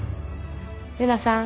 「玲奈さん。